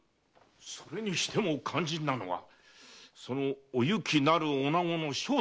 それにしても肝心なのはその「おゆき」なるおなごの正体ですな。